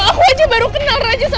aku aja baru kenal raja sama dia